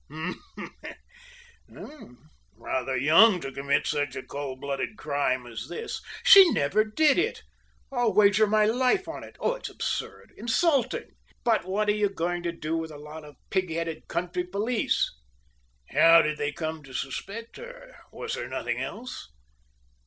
"Humph! Rather young to commit such a cold blooded crime as this." "She never did do it I'll wager my life on it! Oh, it's absurd insulting! But what are you going to do with a lot of pig headed country police " "How did they come to suspect her? Was there nothing else?"